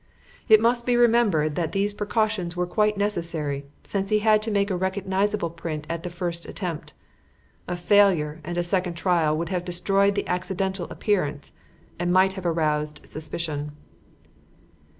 It must be remembered that these precautions were quite necessary, since he had to make a recognisable print at the first attempt. A failure and a second trial would have destroyed the accidental appearance, and might have aroused suspicion."